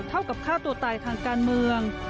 เท่ากับฆ่าตัวตายทางการเมือง